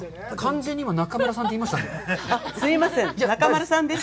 今、完全に中村さんって言いましたね。